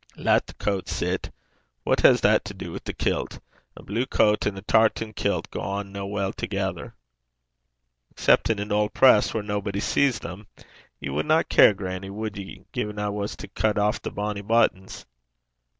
'Lat the coat sit. What has that to do wi' the kilt? A blue coat and a tartan kilt gang na weel thegither.' 'Excep' in an auld press whaur naebody sees them. Ye wadna care, grannie, wad ye, gin I was to cut aff the bonnie buttons?'